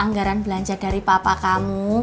anggaran belanja dari papa kamu